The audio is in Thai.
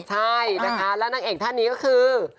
ใช่นะคะแล้วนางเอกท่านนี้ก็คือ